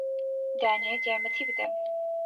دەیانەوێت یارمەتی بدەن.